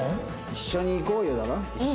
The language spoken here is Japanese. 一緒に行こうよ。